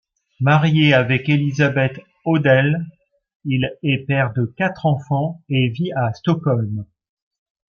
Marié avec Elisabeth Odell, il est père de quatre enfants et vit à Stockholm.